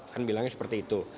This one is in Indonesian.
kan bilangnya seperti itu